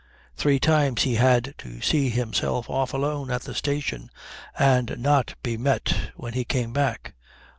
Three times he had to see himself off alone at the station and not be met when he came back.